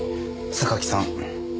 榊さん。